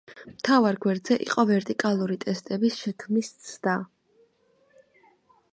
მთავარ გვერდზე იყო ვერტიკალური ტექსტების შექმნის ცდა.